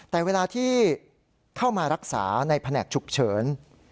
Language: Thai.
แต่เวลาที่เข้ามารักษาในแผนกฉุกเฉิน